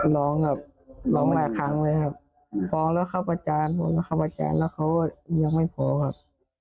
ร้องครับร้องหลายครั้งเลยครับฟ้องแล้วเข้าประจานผมก็เข้าประจานแล้วเขายังไม่พอครับ